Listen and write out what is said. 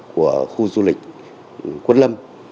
của khu du lịch quất lâm